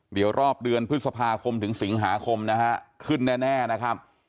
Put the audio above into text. เดี๋ยวรอบเดือนพฤษภาคมถึงสิงหาคมนะฮะขึ้นแน่นะครับ